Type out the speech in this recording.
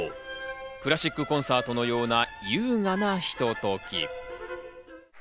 クラシックコンサートのような優雅なひととき。